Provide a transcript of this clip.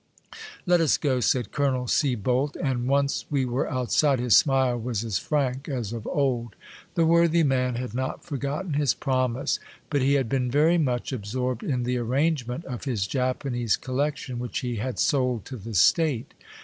" Let us go," said Colonel Sieboldt, and once we were outside, his smile was as frank as of old. The worthy man had not for gotten his promise, but he had been very much ab sorbed in the arrangement of his Japanese collection, which he had sold to the State.